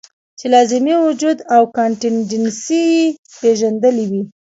چې لازمي وجود او کانټينجنسي ئې پېژندلي وے -